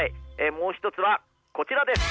もう一つはこちらです！